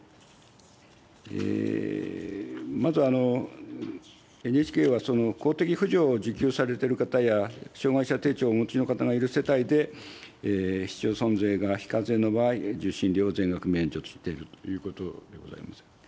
まずＮＨＫは公的扶助を受給されている方や、障害者手帳をお持ちの方がいる世帯で、市町村税が非課税の場合、受信料全額免除しているということでございます。